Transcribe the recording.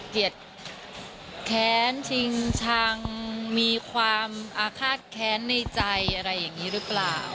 แค้นชิงชังมีความอาฆาตแค้นในใจอะไรอย่างนี้หรือเปล่า